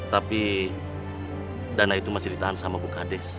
tapi dana itu masih ditahan sama bukhades